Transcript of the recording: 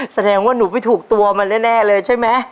แสดงว่าหนูไม่ถูกตัวมันแน่เลยใช่ไหม